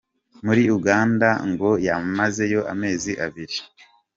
Muri Uganda ngo yamazeyo amezi abiri.